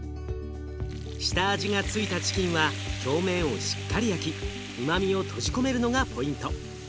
下味が付いたチキンは表面をしっかり焼きうまみを閉じ込めるのがポイント。